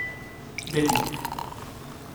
The Tick